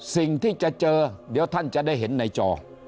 สิ่งที่จะเจอเดี๋ยวท่านจะได้เห็นในจอ